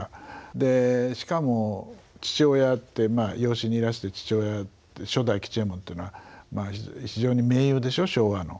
でしかも父親って養子にいらした父親って初代吉右衛門っていうのは非常に名優でしょ昭和の。